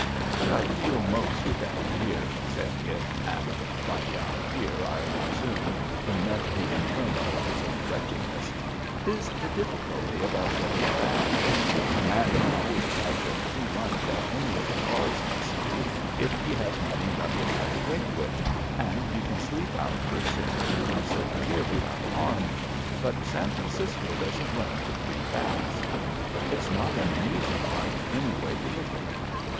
" What I feel most down here,'' said It, and by down here '* I presume he meant the Inferno of his own wretchedness, is the difficulty about getting a bath. A man can always catch a free lunch at any of the bars in the city, if he has money enough to buy a drink with, and you can sleep out for six or eight months of the year with out harm, but San Francisco doesn't run to free baths. It's not an amusing life any way you look at it.